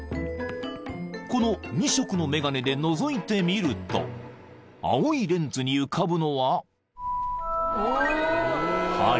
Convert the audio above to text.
［この２色の眼鏡でのぞいてみると青いレンズに浮かぶのは］